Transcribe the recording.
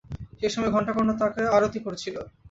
সেই সময় ঘণ্টাকর্ণ তাঁকে আরতি করছিল।